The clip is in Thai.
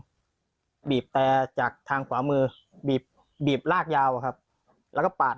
ก็บีบแตรแรมจากทางขวามือบีบลากยาวค่อนข้างครับ